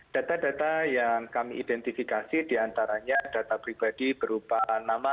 data data yang kami identifikasi diantaranya data pribadi berupa nama